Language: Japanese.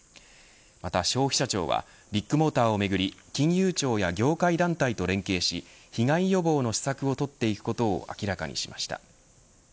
また消費者庁はビッグモーターをめぐり金融庁や業界団体と連携し被害予防の施策をとっていくことを明らかにしました。